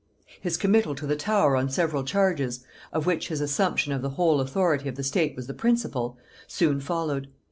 His committal to the Tower on several charges, of which his assumption of the whole authority of the state was the principal, soon followed.